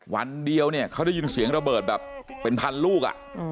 วันเดียวเนี่ยเขาได้ยินเสียงระเบิดแบบเป็นพันลูก